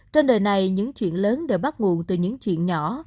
trên đời này những chuyện lớn đều bắt nguồn từ những chuyện nhỏ